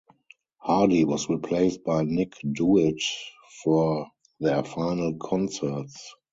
Hardy was replaced by Nick Dewitt for their final concerts.